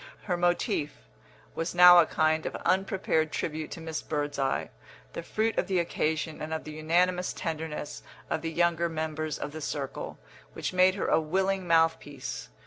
Her motif was now a kind of unprepared tribute to Miss Birdseye, the fruit of the occasion and of the unanimous tenderness of the younger members of the circle, which made her a willing mouthpiece.